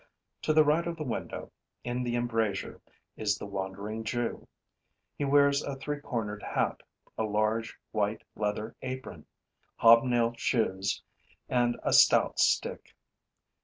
To the right of the window, in the embrasure, is the Wandering Jew. He wears a three cornered hat, a large, white leather apron, hobnailed shoes and a stout stick.